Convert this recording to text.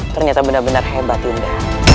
ternyata benar benar hebat indah